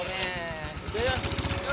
mereka perlu memang terkejangan